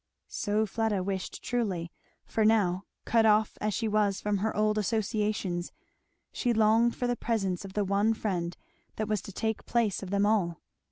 So Fleda wished truly; for now, cut off as she was from her old associations, she longed for the presence of the one friend that was to take place of them all.